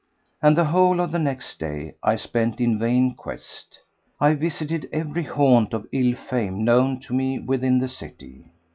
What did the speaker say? And the whole of the next day I spent in vain quest. I visited every haunt of ill fame known to me within the city.